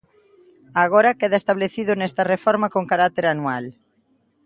Agora queda establecido nesta reforma con carácter anual.